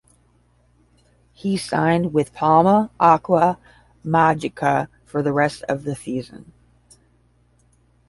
He signed with Palma Aqua Magica for the rest of the season.